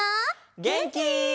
げんき？